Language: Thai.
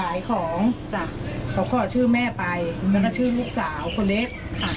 ขายของจ้ะเขาขอชื่อแม่ไปแล้วก็ชื่อลูกสาวคนเล็กค่ะ